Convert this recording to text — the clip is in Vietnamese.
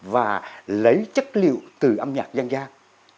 và lấy chất liệu từ âm nhạc gian gian